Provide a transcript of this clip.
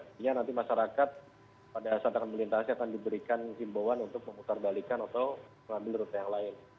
sehingga nanti masyarakat pada saat akan melintasi akan diberikan himbauan untuk memutar balikan atau mengambil rute yang lain